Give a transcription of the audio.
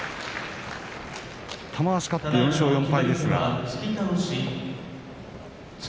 玉鷲、勝って４勝４敗ですが。